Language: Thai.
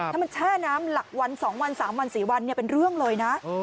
ถ้ามันแช่น้ำหลักวัน๒วัน๓วัน๔วันเป็นเรื่องเลยนะ